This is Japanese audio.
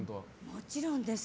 もちろんです。